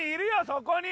そこに！